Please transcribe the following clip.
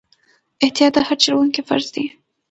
احتیاط د هر چلوونکي فرض دی.